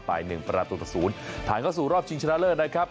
ปลายหนึ่งประตูศูนย์ผ่านเข้าสู่รอบชิงชนะเลิศนะครับ